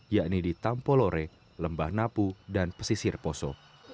yakni di tampolore lembah napu dan pesisir poso